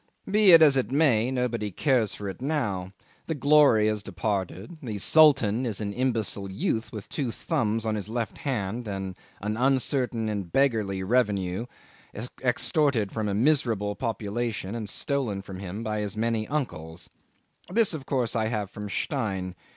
Be it as it may, nobody cares for it now; the glory has departed, the Sultan is an imbecile youth with two thumbs on his left hand and an uncertain and beggarly revenue extorted from a miserable population and stolen from him by his many uncles. 'This of course I have from Stein.